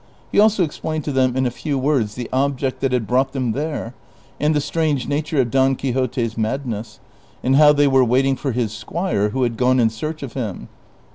He also exidained to them in a few Avords the object that had brought them there, and the strange nature of Don Quixote's madness, and hoAv they were waiting for his squire, who had gone in search of him.